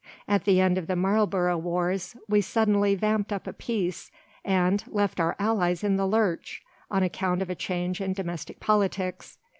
At the end of the Marlborough wars we suddenly vamped up a peace and, left our allies in the lurch, on account of a change in domestic politics.